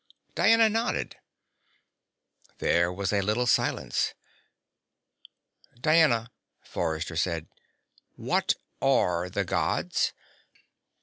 Diana nodded. There was a little silence. "Diana," Forrester said, "what are the Gods?"